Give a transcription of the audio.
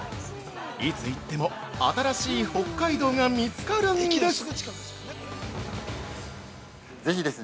いつ行っても新しい北海道が見つかるんです！